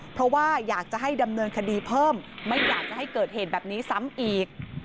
เพราะว่าอยากจะให้ดำเนินคดีเพิ่มไม่อยากจะให้เกิดเหตุแบบนี้ซ้ำอีก